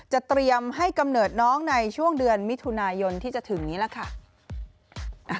เตรียมให้กำเนิดน้องในช่วงเดือนมิถุนายนที่จะถึงนี้ล่ะค่ะ